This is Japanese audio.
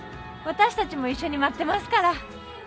私たちも一緒に待ってますから。